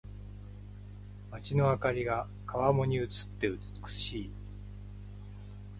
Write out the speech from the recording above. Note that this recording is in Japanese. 街の灯りが川面に映って美しい。